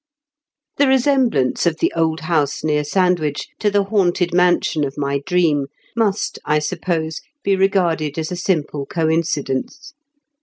The resemblance of the old house near Sandwich to the haunted mansion of my dream must, I suppose, be regarded as a simple coincidence.